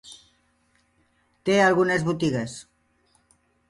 Té algunes botigues.